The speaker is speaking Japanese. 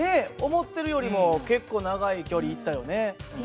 思ってるよりも結構長い距離いったよね。